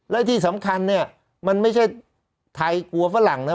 และที่สำคัญเนี่ยมันไม่ใช่ไทยกลัวฝรั่งนะ